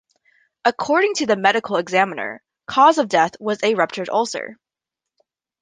According to the medical examiner, cause of death was a ruptured ulcer.